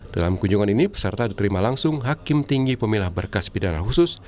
dalam kunjungan ini peserta diterima langsung hakim tinggi pemilah berkas pidana khusus